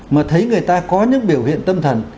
mà thấy người ta có những biểu hiện tâm thần